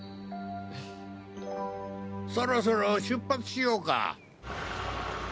そろそろ出発しようか。